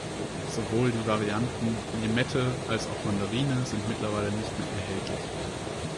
Sowohl die Varianten Limette als auch Mandarine sind mittlerweile nicht mehr erhältlich.